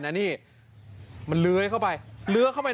มันเลือกเข้าไป